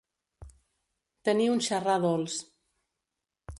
Tenir un xerrar dolç.